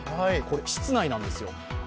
これ、室内なんですよ。